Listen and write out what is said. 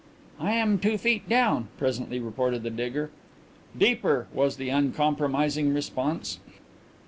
"I am two feet down," presently reported the digger. "Deeper!" was the uncompromising response.